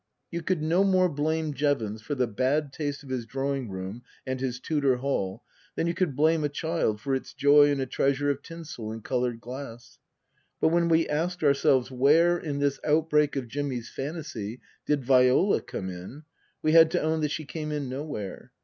You could no more blame Jevons for the bad taste of his drawing room and his Tudor hall than you could blame a child for its joy in a treasure of tinsel and coloured glass. But when we asked ourselves where, in this outbreak of Jimmy's fantasy, did Viola come in, we had to own that she came in nowhere.